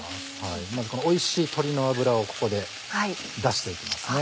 まずこのおいしい鶏の脂をここで出していきますね。